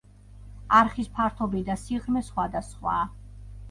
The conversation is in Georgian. არხის ფართობი და სიღრმე სხვადასხვაა.